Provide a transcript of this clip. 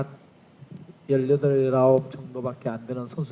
saya ingin memberi pengetahuan kepada para pemain timnas indonesia